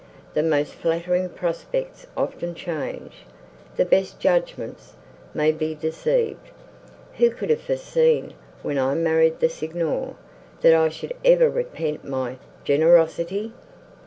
The most flattering prospects often change—the best judgments may be deceived—who could have foreseen, when I married the Signor, that I should ever repent my _generosity?